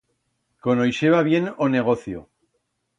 Conoixeba bien o negocio.